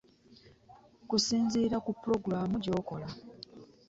Kusinziira ku pulogulaamu gy'okola.